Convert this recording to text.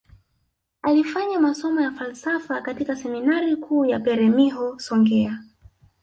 Alifanya masomo ya falsafa katika seminari kuu ya peremiho songea